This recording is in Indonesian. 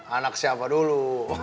anak siapa dulu